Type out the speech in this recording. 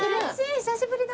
久しぶりだ。